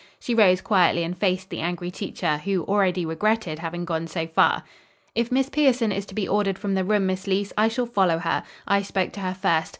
She rose quietly and faced the angry teacher, who already regretted having gone so far. "If Miss Pierson is to be ordered from the room, Miss Leece, I shall follow her. I spoke to her first.